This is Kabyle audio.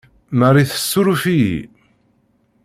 Marie tessuruf-iyi.